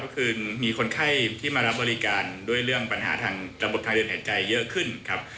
คืนมีคนไข้ที่มารับบริการด้วยเรื่องปัญหาทางระบบทางเดินหายใจเยอะขึ้นครับ